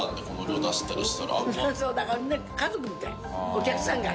お客さんが。